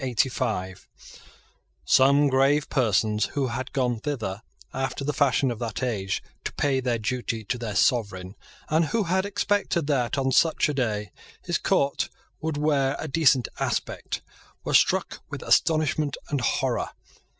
Some grave persons who had gone thither, after the fashion of that age, to pay their duty to their sovereign, and who had expected that, on such a day, his court would wear a decent aspect, were struck with astonishment and horror.